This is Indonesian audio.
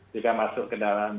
juga masuk ke dalam